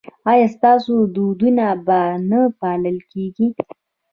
ایا ستاسو دودونه به نه پالل کیږي؟